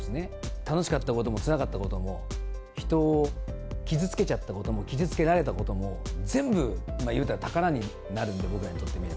楽しかったこともつらかったことも、人を傷つけちゃったことも、傷つけられたことも、全部、いうたら宝になるんで、僕らにとってみれば。